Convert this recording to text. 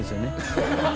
ハハハハ！